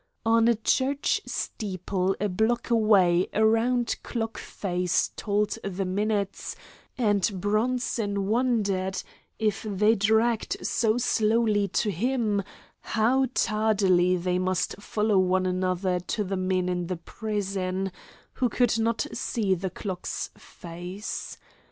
On a church steeple a block away a round clock face told the minutes, and Bronson wondered, if they dragged so slowly to him, how tardily they must follow one another to the men in the prison, who could not see the clock's face.